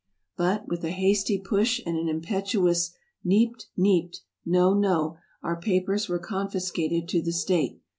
But, with a hasty push and an impetuous " Niebt! Niebt!" (No! no!) our papers were confiscated to the state.